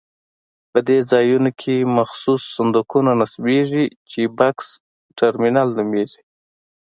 په دې ځایونو کې مخصوص صندوقونه نصبېږي چې بکس ترمینل نومېږي.